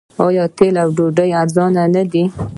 آیا تیل او ډوډۍ ارزانه نه دي؟